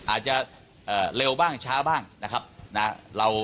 อาจจะเร็วบ้างช้าบ้างนะครับ